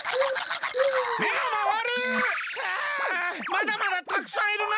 まだまだたくさんいるな。